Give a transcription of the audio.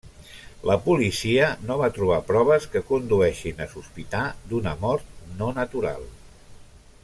La policia no va trobar proves que condueixin a sospitar d'una mort no natural.